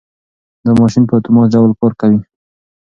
دا ماشین په اتومات ډول کار کوي.